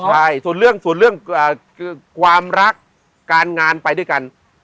ใช่ส่วนเรื่องความรักการงานไปด้วยกัน